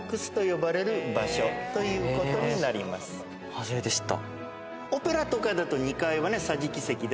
初めて知った。